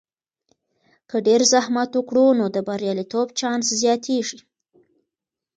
که ډیر زحمت وکړو، نو د بریالیتوب چانس زیاتیږي.